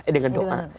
eh dengan doa